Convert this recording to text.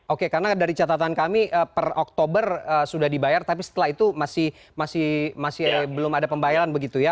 oke karena dari catatan kami per oktober sudah dibayar tapi setelah itu masih belum ada pembayaran begitu ya